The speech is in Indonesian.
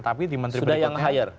tapi di menteri berikutnya